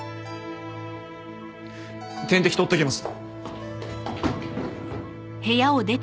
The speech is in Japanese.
点滴取ってきます。